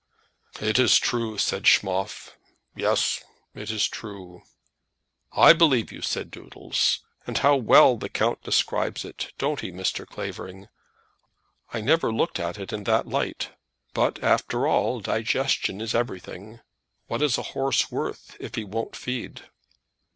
"It is true," said Schmoff; "yes, it is true." "I believe you," said Doodles. "And how well the count describes it, don't he, Mr. Clavering? I never looked at it in that light; but, after all, digestion is everything. What is a horse worth, if he won't feed?"